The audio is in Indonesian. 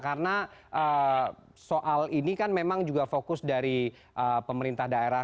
karena soal ini kan memang fokus dari pemerintah daerah